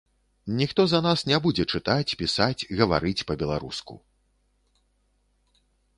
Ніхто за нас не будзе чытаць, пісаць, гаварыць па-беларуску.